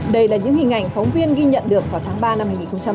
đây là những hình ảnh phóng viên ghi nhận được vào tháng ba năm hai nghìn hai mươi